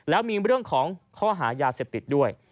แล้วมีเรื่องของข้อหายาเสพติดด้วย